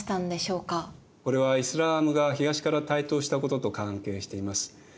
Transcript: これはイスラームが東から台頭したことと関係しています。